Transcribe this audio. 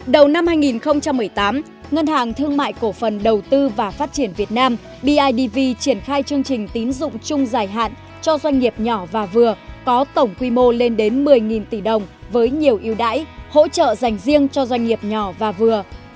đầu năm hai nghìn một mươi tám ngân hàng thương mại cổ phần đầu tư và phát triển việt nam bidv triển khai chương trình tín dụng chung giải hạn cho doanh nghiệp nhỏ và vừa có tổng quy mô lên đến một mươi tỷ đồng với nhiều yêu đãi hỗ trợ dành riêng cho doanh nghiệp nhỏ và vừa